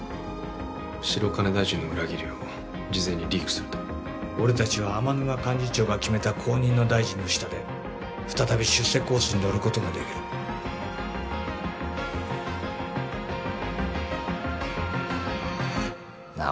白金大臣の裏切りを事前にリークすると俺達は天沼幹事長が決めた後任の大臣の下で再び出世コースに乗ることができるなあ